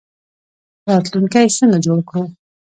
راتلونکی څنګه جوړ کړو؟